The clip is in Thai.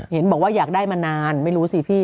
เห็นบอกว่าอยากได้มานานไม่รู้สิพี่